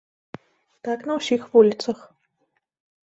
Так на ўсіх вуліцах.